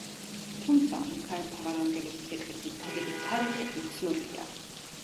თუმცა მიქაელ მთავარანგელოზის ეკლესიის აგების თარიღი უცნობია.